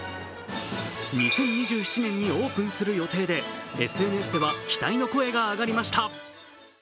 ２０２７年にオープンする予定でＳＮＳでは期待の声が上がりました。